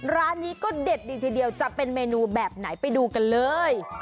ร้านนี้ก็เด็ดดีทีเดียวจะเป็นเมนูแบบไหนไปดูกันเลย